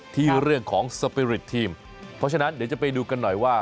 ที่เรื่องของสปีริตทีมเพราะฉะนั้นเดี๋ยวจะไปดูกันหน่อยว่า